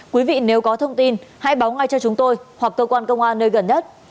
quý vị nếu có thông tin hãy báo ngay cho chúng tôi hoặc cơ quan công an nơi gần nhất